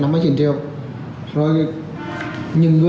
nhưng người này thì em giới thiệu cho ai ở bên campuchia